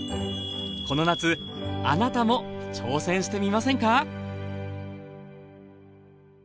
この夏あなたも挑戦してみませんか？